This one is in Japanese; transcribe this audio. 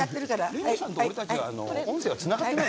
レミさんと俺たちは音声はつながってない？